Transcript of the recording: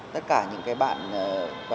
tất cả những cái bạn và